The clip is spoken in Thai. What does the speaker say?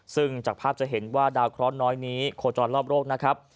ซึ่งจากภาพจะเห็นว่าดาวเคราะห์น้อยนี้โคจรรอบโลกนะครับ